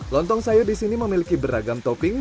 lontong sayur di sini memiliki beragam topping